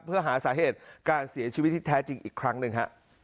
เพื่อหาสาเหตุการเสียชีวิตที่แท้จริงอีกครั้งหนึ่งฮะ